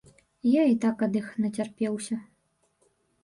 Я і так ад іх нацярпеўся.